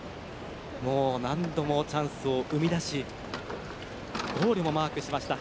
何度もチャンスを生み出しゴールもマークしました。